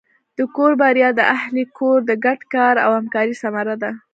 د کور بریا د اهلِ کور د ګډ کار او همکارۍ ثمره ده.